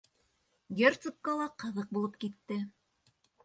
Герцогҡа ла ҡыҙыҡ булып китте.